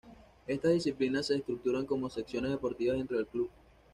Estas disciplinas se estructuran como secciones deportivas dentro del club.